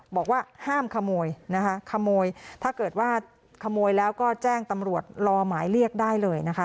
บอกว่าห้ามขโมยนะคะขโมยถ้าเกิดว่าขโมยแล้วก็แจ้งตำรวจรอหมายเรียกได้เลยนะคะ